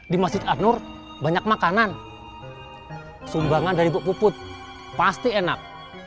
di masjid anur banyak makanan sumbangan dari bu puput pasti enak